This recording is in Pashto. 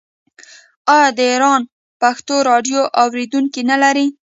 آیا د ایران پښتو راډیو اوریدونکي نلري؟